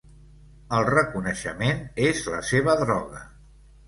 El reconeixement és la seva droga.